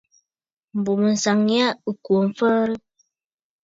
M̀bùmânsaŋ yâ ɨ̀ kwo mfəərə.